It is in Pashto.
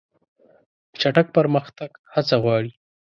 چټک پرمختګ هڅه غواړي.